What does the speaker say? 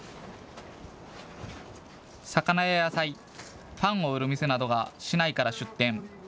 魚や野菜、パンを売る店などが市内から出店。